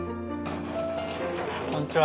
こんにちは。